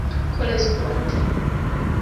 korespondi